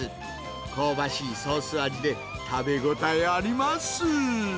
香ばしいソース味で、食べ応えあります。